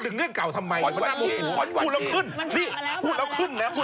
พูดแล้วขึ้น